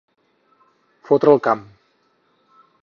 Fotre el camp.